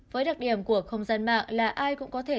với đặc điểm của không gian mạng là ai cũng có thể